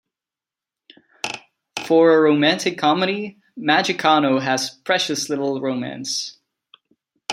For a romantic comedy, Magikano has precious little romance.